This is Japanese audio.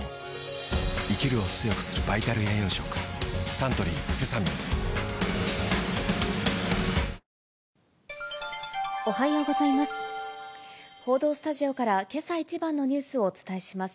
サントリーセサミン報道スタジオから、けさ一番のニュースをお伝えします。